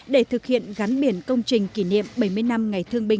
để thực hiện gắn biển công trình kỷ niệm bảy mươi năm ngày thương binh